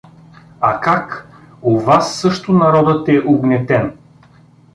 — А как, у вас също народът е угнетен?